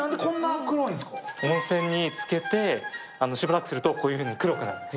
温泉につけてしばらくするとこういうふうに黒くなるんです。